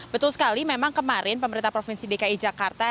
betul sekali memang kemarin pemerintah provinsi dki jakarta